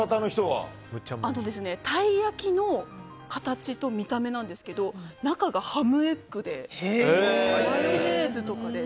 たい焼きの形と見た目なんですけど中がハムエッグでマヨネーズとかで。